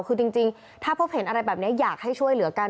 คือจริงถ้าพบเห็นอะไรแบบนี้อยากให้ช่วยเหลือกัน